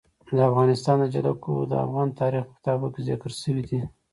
د افغانستان جلکو د افغان تاریخ په کتابونو کې ذکر شوی دي.